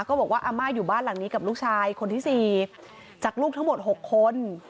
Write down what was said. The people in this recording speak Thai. ก็บอกว่าอาม่าอยู่บ้านหลังนี้กับลูกชายคนที่๔จากลูกทั้งหมด๖คน